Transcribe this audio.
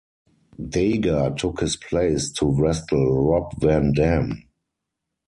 Daga took his place to wrestle Rob Van Dam.